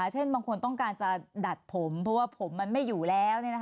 เช่นบางคนต้องการจะดัดผมเพราะว่าผมมันไม่อยู่แล้ว